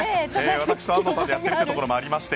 私と安藤さんでやっているということもありまして